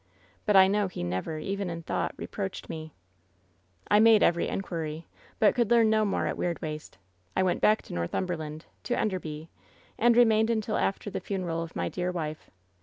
But I know he never, even in thought^ reproached me. " ^I made every inquiry, but could learn no more at Weirdwaste. I went back to Northumberland — ^to En derby — and remained until after the funeral of my dear wife.